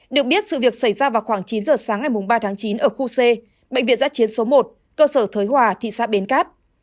được biết sự việc xảy ra vào khoảng chín giờ sáng ngày ba tháng chín ở khu c bệnh viện giã chiến số một cơ sở thới hòa thị xã bến cát